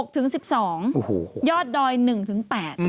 ถึง๑๒ยอดดอย๑ถึง๘